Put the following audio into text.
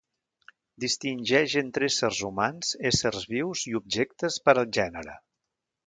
Distingeix entre éssers humans, éssers vius i objectes per al gènere.